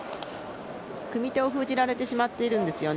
組み手を封じられてしまっているんですよね。